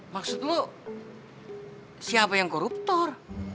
maksud lo siapa yang koruptor